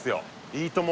「いいとも！」